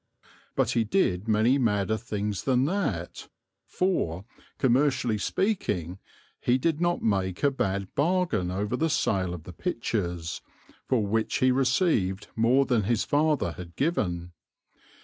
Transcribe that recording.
But he did many madder things than that for, commercially speaking, he did not make a bad bargain over the sale of the pictures, for which he received more than his father had given.